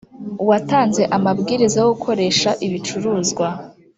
watanze amabwiriza yo gukoresha ibicuruzwa